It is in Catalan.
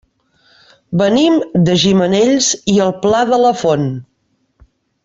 Venim de Gimenells i el Pla de la Font.